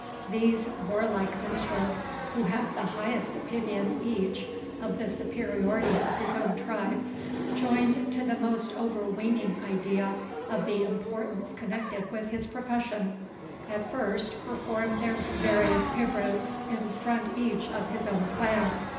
These warlike minstrels, who had the highest opinion, each, of the superiority of his own tribe, joined to the most overweening idea of the importance connected with his profession, at first, performed their various pibrochs in front each of his own clan.